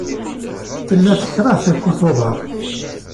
Tella tekṛeh takurt n uḍar.